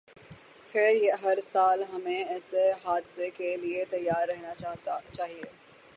پھر ہرسال ہمیں ایسے حادثے کے لیے تیار رہنا چاہیے۔